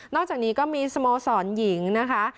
อกจากนี้ก็มีสโมสรหญิงนะคะ